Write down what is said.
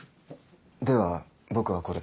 では僕はこれで。